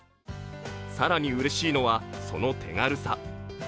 更にうれしいのは、その手軽さ。